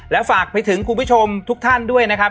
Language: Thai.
และฝากไปถึงคุณผู้ชมทุกท่านด้วยนะครับ